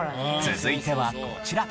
続いてはこちら。